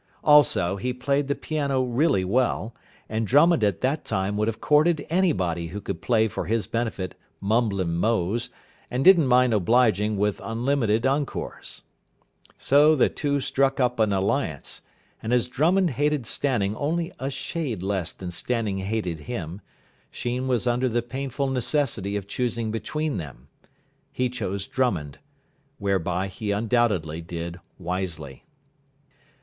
Also, he played the piano really well; and Drummond at that time would have courted anybody who could play for his benefit "Mumblin' Mose", and didn't mind obliging with unlimited encores. So the two struck up an alliance, and as Drummond hated Stanning only a shade less than Stanning hated him, Sheen was under the painful necessity of choosing between them. He chose Drummond. Whereby he undoubtedly did wisely.